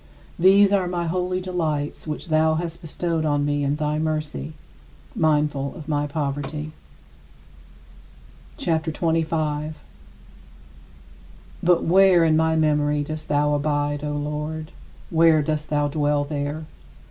These are my holy delights, which thou hast bestowed on me in thy mercy, mindful of my poverty. CHAPTER XXV 36. But where in my memory dost thou abide, O Lord? Where dost thou dwell there?